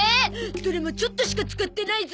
どれもちょっとしか使ってないゾ。